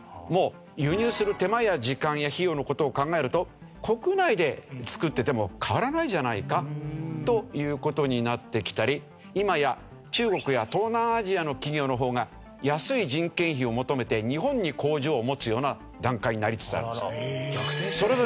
もう輸入する手間や時間や費用の事を考えると国内で作ってても変わらないじゃないかという事になってきたり今や中国や東南アジアの企業の方が安い人件費を求めて日本に工場を持つような段階になりつつあるんです。